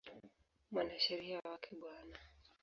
Mwanasheria wake Bw.